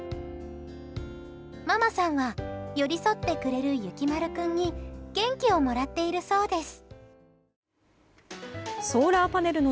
ママさんは、寄り添ってくれるゆきまる君に元気をもらっているそうです。